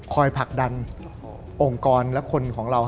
ผลักดันองค์กรและคนของเรา